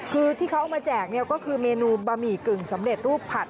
คือที่เขาเอามาแจกก็คือเมนูบะหมี่กึ่งสำเร็จรูปผัด